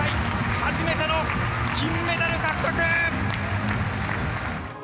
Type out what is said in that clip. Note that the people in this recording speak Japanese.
初めての金メダル獲得！